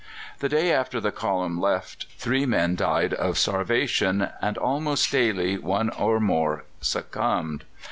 The day after the column left three men died of starvation, and almost daily one or more succumbed.